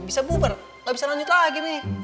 bisa bubar gak bisa lanjut lagi nih